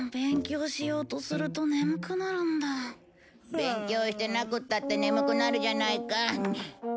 勉強してなくったって眠くなるじゃないか。